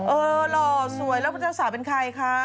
เออหรอสวยแล้วเจ้าสาวเป็นใครคะ